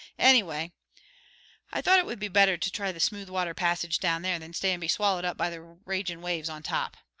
Anyway, I thought it would be better to try the smooth water passage down there than stay and be swallowed up by the ragin' waves on top.